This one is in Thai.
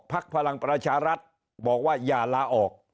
พลังประชารัฐบอกว่าอย่าลาออก